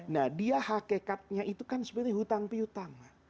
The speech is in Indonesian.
nah dia hakikatnya itu kan sebetulnya hutang pihutang